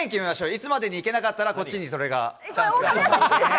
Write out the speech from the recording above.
いつまでに行けなかったらこっちにそれが、チャンスが。